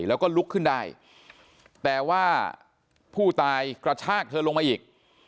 แล้วก็ลุกขึ้นได้แต่ว่าผู้ตายกระชากเธอลงมาอีก